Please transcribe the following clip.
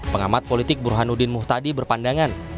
pengamat politik burhanuddin muhtadi berpandangan